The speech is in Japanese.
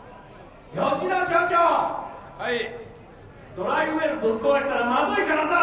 「ドライウェルぶっ壊したらまずいからさ！